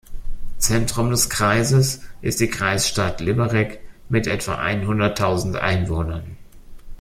Zentrum des Kreises ist die Kreisstadt Liberec mit etwa einhunderttausend Einwohnern.